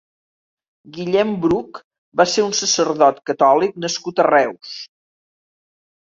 Guillem Bruch va ser un sacerdot catòlic nascut a Reus.